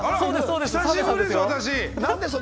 久しぶりです、私！